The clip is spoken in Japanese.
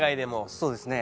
そうですね